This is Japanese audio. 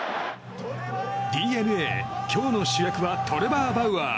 ＤｅＮＡ、今日の主役はトレバー・バウアー。